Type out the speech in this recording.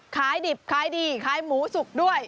ขายดิบขายดีขายหมูสุกด้วย